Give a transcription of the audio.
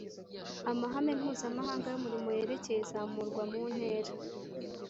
Amahame Mpuzamahanga y’Umurimo yerekeye izamurwa mu ntera